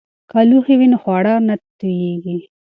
که لوښي وي نو خواړه نه توییږي.